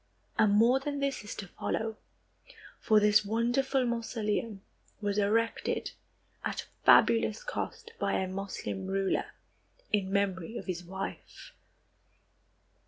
And more than this is to follow, for this wonderful mausoleum was erected at fabulous cost by a Moslem ruler, in memory of his wife.